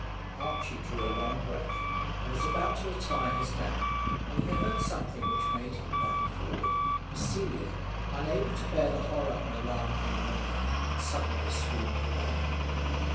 Archy drew a long breath, and was about to retire his men, when he heard something which made him bound forward, for Celia, unable to bear the horror and alarm any longer had suddenly swooned away.